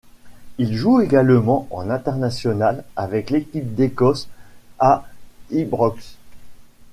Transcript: Il joue également en international avec l'équipe d'Écosse à Ibrox.